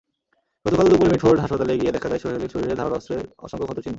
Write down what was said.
গতকাল দুপুরে মিটফোর্ড হাসপাতালে গিয়ে দেখা যায়, সোহেলের শরীরে ধারালো অস্ত্রের অসংখ্য ক্ষতচিহ্ন।